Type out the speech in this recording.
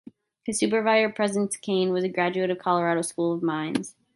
His supervisor, Prentice Cain, was a graduate of Colorado School of Mines.